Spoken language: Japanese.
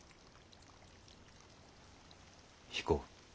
彦。